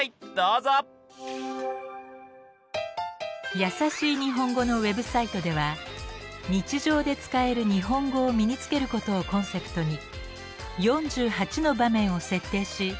「やさしい日本語」のＷＥＢサイトでは日常で使える日本語を身につけることをコンセプトに４８の場面を設定し